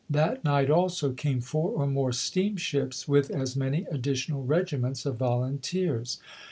That night, also, came four or more steamships with as many additional regiments of volunteers.